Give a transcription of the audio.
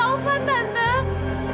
kata ovan masih hidup tante